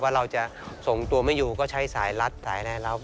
เราจะส่งตัวไม่อยู่ก็ใช้สายลัดสายอะไรรับ